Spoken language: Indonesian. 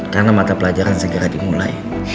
karena mata pelajaran segera dimulai